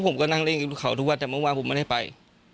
ผมก็นั่งเล่นกับเขาทุกวันแต่เมื่อวานผมไม่ได้ไป